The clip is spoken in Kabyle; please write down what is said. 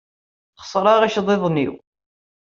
Sxeṣreɣ iceḍḍiḍen-inu.